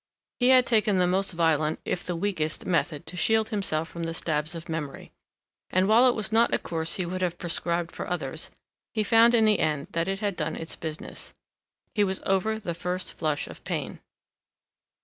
He had taken the most violent, if the weakest, method to shield himself from the stabs of memory, and while it was not a course he would have prescribed for others, he found in the end that it had done its business: he was over the first flush of pain.